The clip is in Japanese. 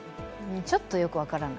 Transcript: ちょっとよく分からない。